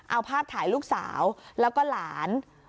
เอาภาพถ่ายลูกสาวแล้วก็หลาน